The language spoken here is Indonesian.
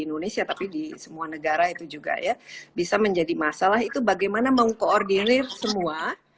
indonesia tapi di semua negara itu juga ya bisa menjadi masalah itu bagaimana mengkoordinir semua